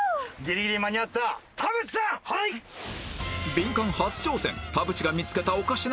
ビンカン初挑戦